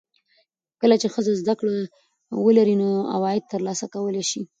کله چې ښځه زده کړه ولري، نو عواید ترلاسه کولی شي.